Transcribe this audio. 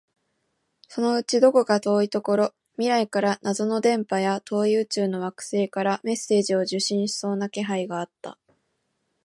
そのうちどこか遠いところ、未来から謎の電波や、遠い宇宙の惑星からメッセージを受信しそうな気配があった